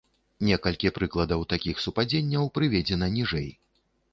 Некалькі прыкладаў такіх супадзенняў прыведзена ніжэй.